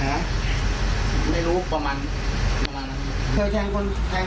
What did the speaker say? เราฆ่าผู้ตายยังกี่โมง